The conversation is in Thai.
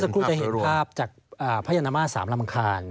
มันสักครู่จะเห็นภาพจากพระยะนามาสามลำคาญ